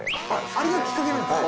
あれがきっかけなんですか？